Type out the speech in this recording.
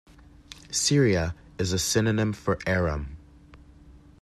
Syria is a synonym for Aram.